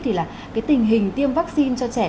thì là cái tình hình tiêm vaccine cho trẻ